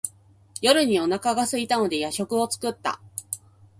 夜にお腹がすいたので夜食を作った。